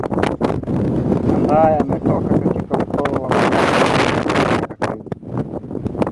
ambaye ametoka katika ukoo wa mahayawani lakini akakaidi